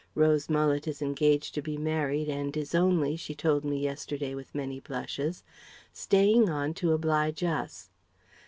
Rose Mullet is engaged to be married and is only she told me yesterday with many blushes staying on to oblige us.